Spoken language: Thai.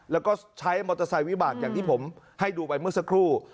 แล้วก็ใช้มอเตอร์ไซค์วิบากอย่างที่ผมให้ดูไปเมื่อสักครู่